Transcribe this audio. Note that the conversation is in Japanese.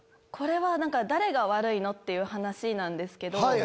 これは誰が悪いの？っていう話なんですけど。